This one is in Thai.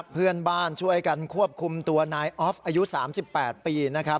เพื่อนบ้านช่วยกันควบคุมตัวไอออฟอายุ๓๘ปี